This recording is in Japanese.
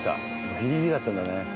ギリギリだったんだね。